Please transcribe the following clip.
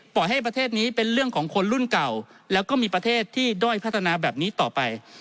ให้ประเทศนี้เป็นเรื่องของคนรุ่นเก่าแล้วก็มีประเทศที่ด้อยพัฒนาแบบนี้ต่อไป